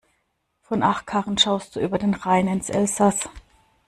Von Achkarren schaust du über den Rhein ins Elsass.